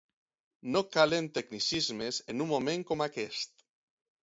No calen tecnicismes en un moment com aquest.